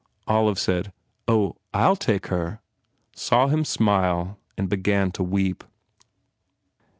Olive said, "Oh, I ll take her," saw him smile and began to weep.